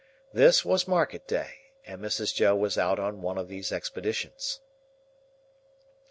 This was market day, and Mrs. Joe was out on one of these expeditions.